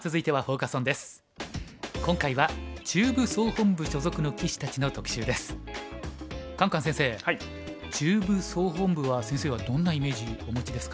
カンカン先生中部総本部は先生はどんなイメージお持ちですか？